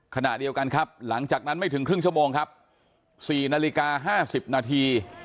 ขณะเดียวกันครับหลังจากนั้นไม่ถึงครึ่งชั่วโมงครับ๔นาฬิกา๕๐นาที